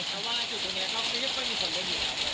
แต่ว่าจุดตรงนี้ก็ไม่ค่อยมีคนเล่นอยู่